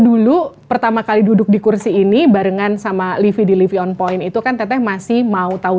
dulu pertama kali duduk di kursi ini barengan sama livi di livi on point itu kan teteh masih mau tahu